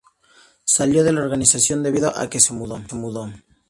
Salió de la organización debido a que se mudó.